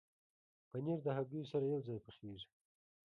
پنېر د هګیو سره یوځای پخېږي.